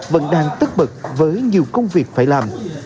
vẫn đang tức bực với nhiều công việc phải làm